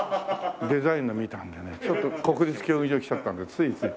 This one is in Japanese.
デザインの見たんでねちょっと国立競技場来ちゃったんでついつい。